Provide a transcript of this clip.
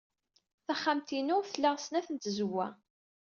Taxxamt-inu tla snat n tzewwa.